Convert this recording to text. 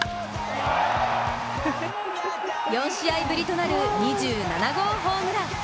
４試合ぶりとなる２７号ホームラン。